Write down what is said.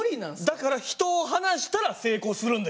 だから人を離したら成功するんです。